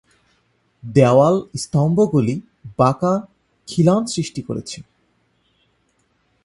দেওয়াল-স্তম্ভগুলি বাঁকা খিলান সৃষ্টি করেছে।